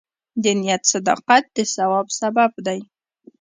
د نیت صداقت د ثواب سبب دی.